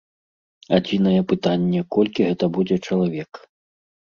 Адзінае пытанне, колькі гэта будзе чалавек.